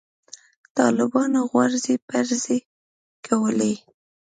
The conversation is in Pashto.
طالبانو غورځې پرځې کولې.